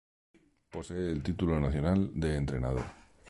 Posee el título nacional de entrenador.